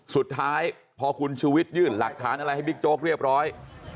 สุดท้ายพอคุณชูวิทยื่นหลักฐานอะไรให้บิ๊กโจ๊กเรียบร้อย